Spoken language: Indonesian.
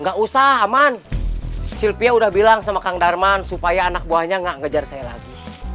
gak usah aman sylvia udah bilang sama kang darman supaya anak buahnya gak ngejar saya lagi